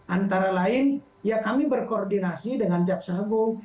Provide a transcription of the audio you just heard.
antara lain ya kami berkoordinasi dengan jaksa agung